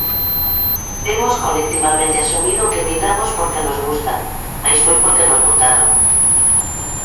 Temos colectivamente asumido que emigramos porque nos gusta, mais foi porque nos botaron.